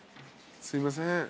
すいません。